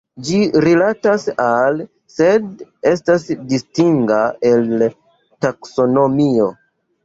Ĝi rilatas al, sed estas distinga el taksonomio.